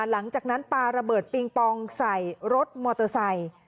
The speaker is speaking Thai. หลังจากนั้นปลาระเบิดปิงปองใส่รถมอเตอร์ไซค์